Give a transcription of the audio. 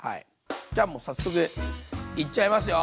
じゃあもう早速いっちゃいますよ。